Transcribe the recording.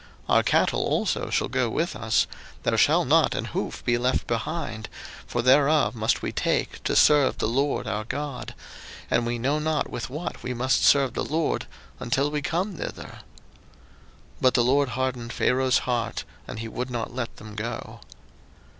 02:010:026 Our cattle also shall go with us; there shall not an hoof be left behind; for thereof must we take to serve the LORD our God; and we know not with what we must serve the LORD, until we come thither. 02:010:027 But the LORD hardened Pharaoh's heart, and he would not let them go.